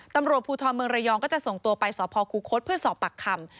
ตำรวจภูทรเมืองระยองก็จะส่งตัวไปสพคูคศเพื่อสอบปากคำ